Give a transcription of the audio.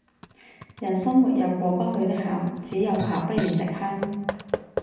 人生沒有過不去的坎，只有爬不完的坑